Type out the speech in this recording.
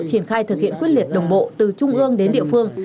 triển khai thực hiện quyết liệt đồng bộ từ trung ương đến địa phương